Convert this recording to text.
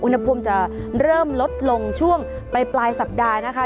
อุณหภูมิจะเริ่มลดลงช่วงไปปลายสัปดาห์นะคะ